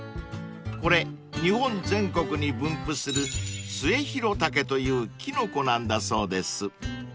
［これ日本全国に分布するスエヒロタケというキノコなんだそうです］